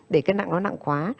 để cân nặng nó nặng quá